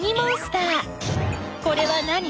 これは何？